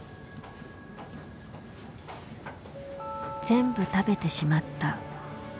「全部食べてしまった。